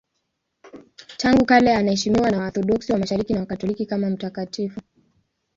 Tangu kale anaheshimiwa na Waorthodoksi wa Mashariki na Wakatoliki kama mtakatifu.